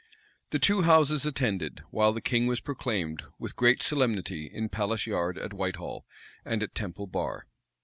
The two houses attended; while the king was proclaimed, with great solemnity, in Palace Yard, at Whitehall, and at Temple Bar.